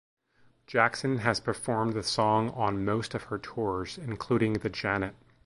Jackson has performed the song on most of her tours including the janet.